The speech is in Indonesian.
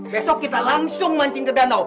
besok kita langsung mancing ke danau